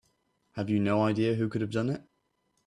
Have you no idea who could have done it?